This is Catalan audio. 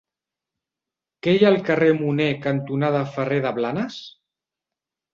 Què hi ha al carrer Munner cantonada Ferrer de Blanes?